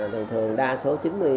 thường thường đa số chín mươi